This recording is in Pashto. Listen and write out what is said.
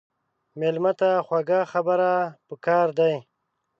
مېلمه ته خواږه خبرې پکار دي.